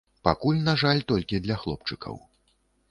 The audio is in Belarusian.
Пакуль, на жаль, толькі для хлопчыкаў.